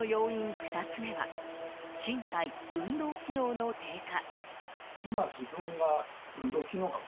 ２つ目は身体・運動機能の低下。